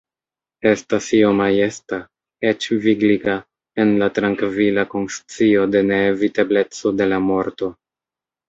Estas io majesta, eĉ vigliga, en la trankvila konscio de neevitebleco de la morto.